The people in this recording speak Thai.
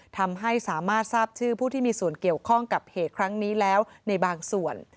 ทำให้สามารถทราบชื่อผู้ที่มีส่วนเกี่ยวข้องกับเหตุครั้งนี้แล้วในบางส่วน